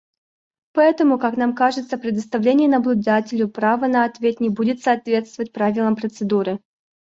Поэтому, как нам кажется, предоставление наблюдателю права на ответ не будет соответствовать правилам процедуры.